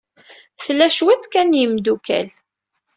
Tla cwiṭ kan n yimeddukal.